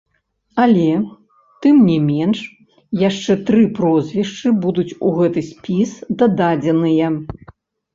Але, тым не менш, яшчэ тры прозвішчы будуць у гэты спіс дададзеныя.